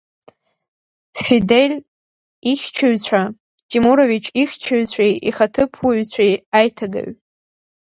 Фидель ихьчаҩцәа, Тимурович ихьчаҩцәеи ихаҭыԥуаҩцәеи, аиҭагаҩ.